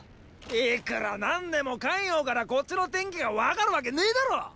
いくら何でも咸陽からこっちの天気が分かるわけねェだろ！